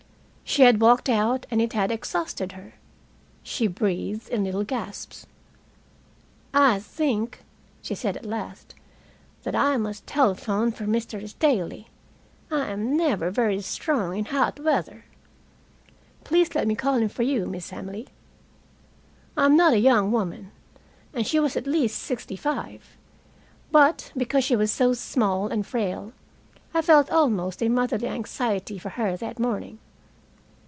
She had walked out, and it had exhausted her. She breathed in little gasps. "I think," she said at last, "that I must telephone for Mr. Staley, I am never very strong in hot weather." "Please let me call him, for you, Miss Emily." I am not a young woman, and she was at least sixty five. But, because she was so small and frail, I felt almost a motherly anxiety for her that morning.